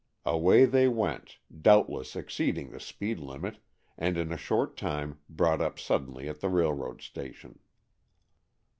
Away they went, doubtless exceeding the speed limit, and in a short time brought up suddenly at the railroad station.